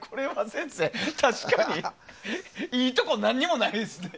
先生、確かにいいところ何もないですね。